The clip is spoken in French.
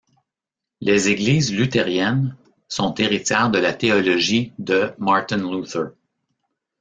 Les Églises luthériennes sont héritières de la théologie de Martin Luther.